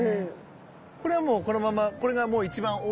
これはもうこのままこれがもう一番大きいというか？